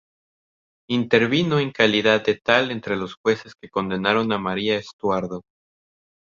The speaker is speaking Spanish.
Intervino en calidad de tal entre los jueces que condenaron a María Estuardo.